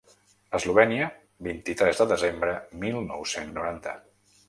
Eslovènia vint-i-tres de desembre mil nou-cents noranta.